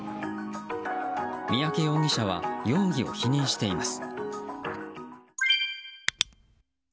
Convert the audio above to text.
三宅容疑者は容疑を否認しています。